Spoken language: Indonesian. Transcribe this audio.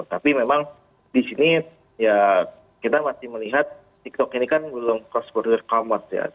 tapi memang di sini ya kita masih melihat tiktok ini kan belum cost border commerce ya